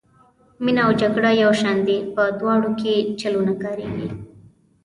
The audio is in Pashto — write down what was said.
مینه او جګړه یو شان دي په دواړو کې چلونه کاریږي.